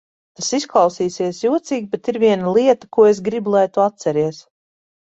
Tas izklausīsies jocīgi, bet ir viena lieta, ko es gribu, lai tu atceries.